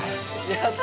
やった！